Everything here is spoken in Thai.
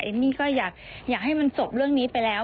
มี่ก็อยากให้มันจบเรื่องนี้ไปแล้ว